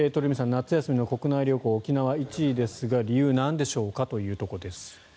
夏休みの国内旅行沖縄１位ですが理由はなんでしょうかというところです。